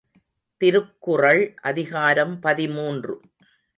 திருக்குறள் அதிகாரம் பதிமூன்று .